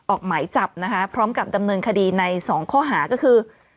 ออกหมายจับนะคะพร้อมกับดำเนินคดีในสองข้อหาก็คือ